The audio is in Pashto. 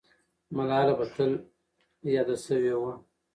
ملاله به تل یاده سوې وه.